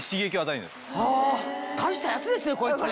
大したやつですねこいつ。